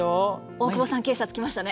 大久保さん警察来ましたね。